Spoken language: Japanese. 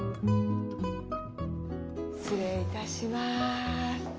失礼いたします。